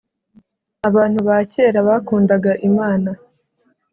Abantu bakera bakundaga imana.